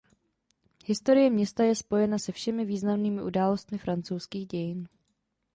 Historie města je spojena se všemi významnými událostmi francouzských dějin.